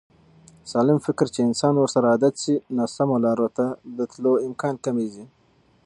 . سالم فکر چې انسان ورسره عادت شي، ناسمو لارو ته د تلو امکان کمېږي.